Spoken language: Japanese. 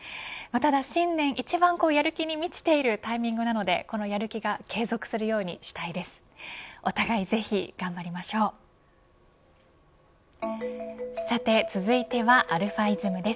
ただ新年やる気に満ちているタイミングなのでこのやる気が継続するようにしたいです。